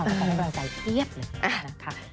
แล้วก็ไม่รอใจเตี๊ยบเลยนะคะ